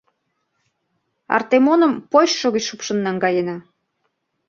Артемоным почшо гыч шупшын наҥгаена.